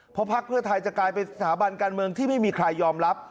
เพราะพักเพื่อไทยจะกลายเป็นสถาบันการเมืองที่ไม่มีใครยอมรับ